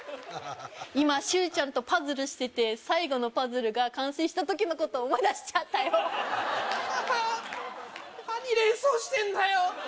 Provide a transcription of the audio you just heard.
今周ちゃんとパズルしてて最後のパズルが完成した時のこと思い出しちゃったよ何連想してんだよ